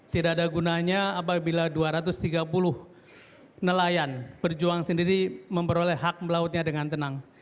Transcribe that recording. tidak ada gunanya apabila dua ratus tiga puluh nelayan berjuang sendiri memperoleh hak melautnya dengan tenang